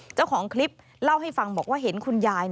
เจ้าของคลิปเล่าให้ฟังบอกว่าเห็นคุณยาย